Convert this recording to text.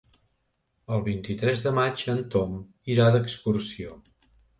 El vint-i-tres de maig en Tom irà d'excursió.